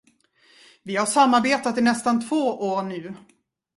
Vi har samarbetat i nästan två år nu.